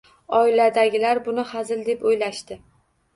Oiladagilar buni hazil deb o’ylashdi.